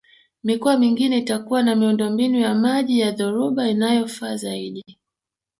Mikoa mingine itakuwa na miundombinu ya maji ya dhoruba inayofaa zaidi